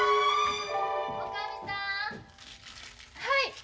はい！